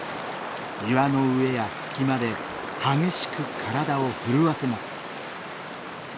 岩の上や隙間で激しく体を震わせます。